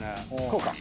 こうか。